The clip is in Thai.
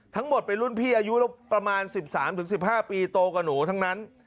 ทั้งหมดเป็นรุ่นพี่อายุประมาณ๑๓๑๕ปีโตกับหนูทั้งนั้น